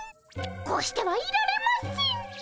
こうしてはいられません。